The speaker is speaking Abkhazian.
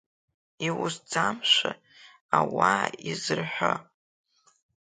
Иусӡамшәа ауаа изырҳәо…